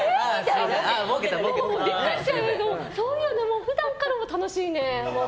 そういうのも普段から楽しい。